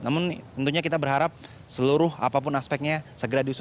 namun tentunya kita berharap seluruh apapun aspeknya segera